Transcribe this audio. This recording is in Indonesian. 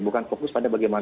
bukan fokus pada bagaimana